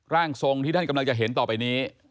ร่างทรงที่ท่านกำลังจะเห็นต่อไปนี้